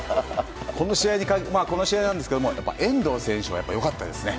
この試合なんですけどもやっぱり遠藤選手が良かったですね。